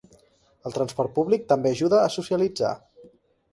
El transport públic també ajuda a socialitzar